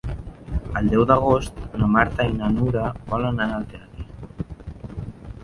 El deu d'agost na Marta i na Nura volen anar al teatre.